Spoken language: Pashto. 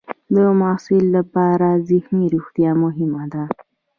د محصل لپاره ذهني روغتیا مهمه ده.